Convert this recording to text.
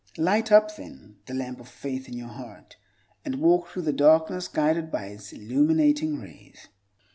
Light up, then, the lamp of faith in your heart, and walk through the darkness guided by its illuminating rays.